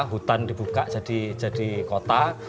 hutan dibuka jadi kota